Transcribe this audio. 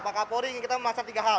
pak kapolri ingin kita memasak tiga hal